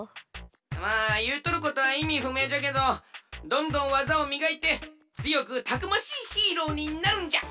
まあいうとることはいみふめいじゃけどどんどんわざをみがいてつよくたくましいヒーローになるんじゃ！